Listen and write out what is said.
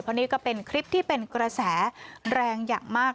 เพราะนี่ก็เป็นคลิปที่เป็นกระแสแรงอย่างมาก